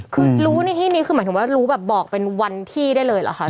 คือหมายถึงว่ารู้แบบบอกเป็นวันที่ได้เลยหรอคะ